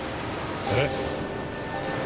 えっ。